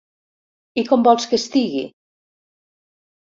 I com vols que estigui?